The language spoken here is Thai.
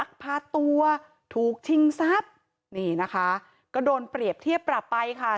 พาตัวถูกชิงทรัพย์นี่นะคะก็โดนเปรียบเทียบปรับไปค่ะ